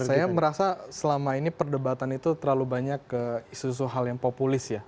saya merasa selama ini perdebatan itu terlalu banyak ke hal hal populis ya